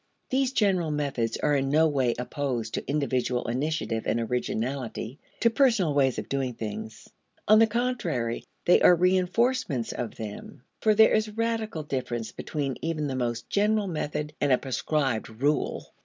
1 These general methods are in no way opposed to individual initiative and originality to personal ways of doing things. On the contrary they are reinforcements of them. For there is radical difference between even the most general method and a prescribed rule.